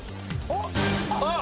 あっ！